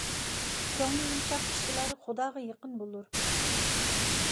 كۆڭلى يۇمشاق كىشىلەر خۇداغا يېقىن بولۇر.